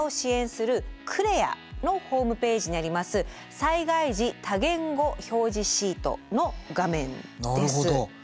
災害時多言語表示シートの画面です。